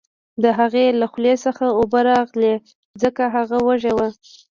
د هغې له خولې څخه اوبه راغلې ځکه هغه وږې وه